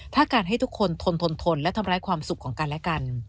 ถ้าการให้ทุกคนทนทนและทำร้ายความสุขของกันและกัน